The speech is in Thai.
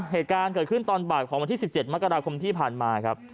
เหตุการณ์เกิดขึ้นตอนบ่ายของวันที่๑๗มกราคมที่ผ่านมาครับ